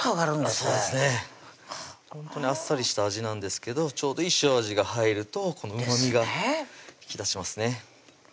そうですねあっさりした味なんですけどちょうどいい塩味が入るとこのうまみが引き出しますね